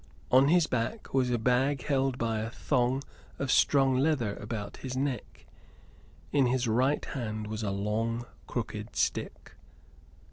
On his back was a bag held by a thong of strong leather about his neck. In his right hand was a long crooked stick.